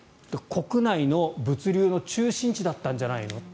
国内の物流の中心地だったんじゃないの。